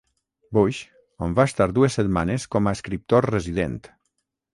Bush, on va estar dues setmanes com a escriptor resident.